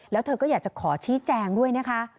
แล้วเธอก็อยากจะขอชี้แจงด้วยนะคะ